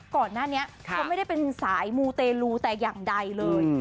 ก่อนหน้านี้เขาไม่ได้เป็นสายมูเตลูแต่อย่างใดเลย